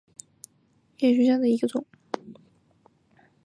印度轮叶戟为大戟科轮叶戟属下的一个种。